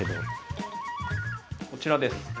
こちらです。